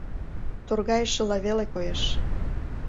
Торгайышыла веле коеш.